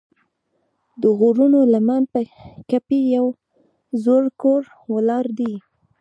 د غرونو لمن کې یو زوړ کور ولاړ دی.